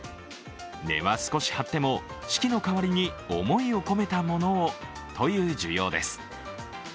値は少し張っても、式の代わりに思いを込めたものをという需要です。